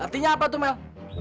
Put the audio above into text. artinya apa tuh mel